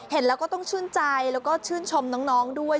เห็นแล้วก็ต้องชื่นใจแล้วก็ชื่นชมน้องด้วย